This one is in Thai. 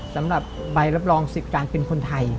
สำหรับใบรับรองสิทธิ์การเป็นคนไทย